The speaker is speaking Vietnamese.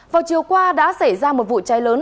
vào chiều qua đã xảy ra một vụ cháy lớn